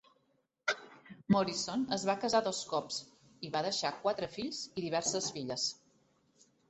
Morison es va casar dos cops, i va deixar quatre fills i diverses filles.